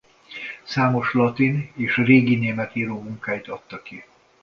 Számos latin és régi német író munkáit adta ki.